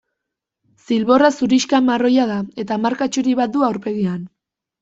Zilborra zurixka-marroia da eta marka txuri bat du aurpegian.